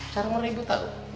carmer ibu tau